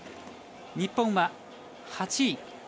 日本は８位。